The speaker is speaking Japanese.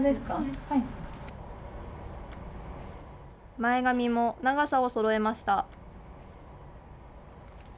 前髪も長さをそろえました。